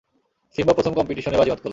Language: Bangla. সিম্বা প্রথম কম্পিটিশনেই বাজিমাত করল।